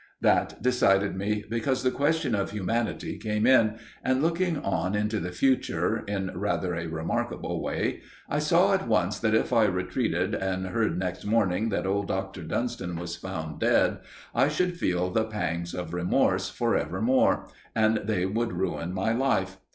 "That decided me, because the question of humanity came in, and looking on into the future in rather a remarkable way, I saw at once that if I retreated and heard next morning that old Dr. Dunston was found dead, I should feel the pangs of remorse for evermore, and they would ruin my life.